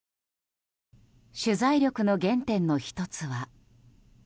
取材力の原点の１つは。